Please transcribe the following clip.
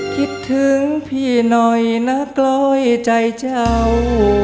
คิดถึงพี่หน่อยนะกล้อยใจเจ้า